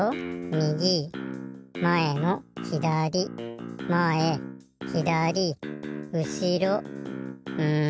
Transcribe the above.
みぎまえのひだりまえひだりうしろん